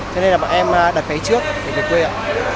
cho nên là bọn em đặt thấy trước để về quê ạ